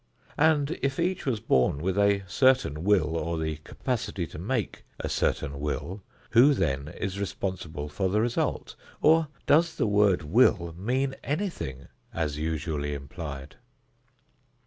And, if each was born with a certain "will" or the capacity to make a certain "will", who then is responsible for the result? Or, does the word "will" mean anything, as usually applied?